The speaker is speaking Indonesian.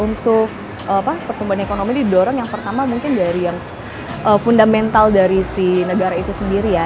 untuk pertumbuhan ekonomi didorong yang pertama mungkin dari yang fundamental dari si negara itu sendiri ya